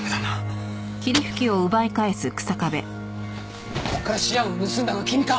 ここからシアンを盗んだのは君か！